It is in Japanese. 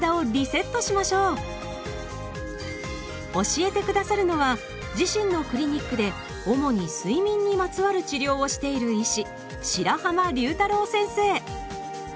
教えて下さるのは自身のクリニックで主に睡眠にまつわる治療をしている医師